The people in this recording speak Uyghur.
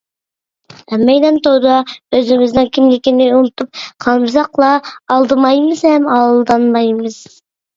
ھەممەيلەن توردا ئۆزىمىزنىڭ كىملىكىنى ئۇنتۇپ قالمىساقلا ئالدىمايمىز ھەم ئالدانمايمىز.